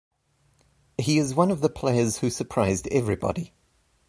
He is one of the players who surprised everybody.